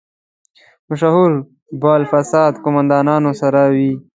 مشهور بالفساد قوماندانانو سره وي.